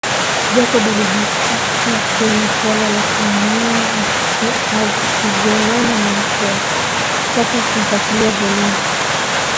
Jacob alijikita kwenye suala la kumuua Hakizemana na akiwataka wamfuatilie Zolin